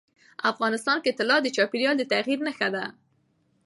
افغانستان کې طلا د چاپېریال د تغیر نښه ده.